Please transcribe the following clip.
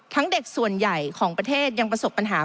เด็กส่วนใหญ่ของประเทศยังประสบปัญหา